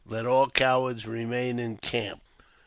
Let all cowards remain in camp."